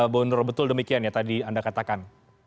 bu nurul betul demikian ya tadi anda katakan